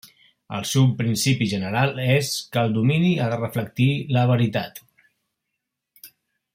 El seu principi general és que el domini ha de reflectir la veritat.